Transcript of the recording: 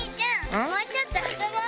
もうちょっと遊ぼう！